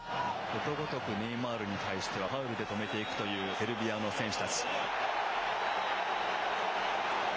ことごとくネイマールに対してはファウルで止めていくという、セルビアの選手たち。